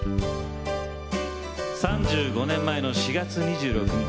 ３５年前の４月２６日。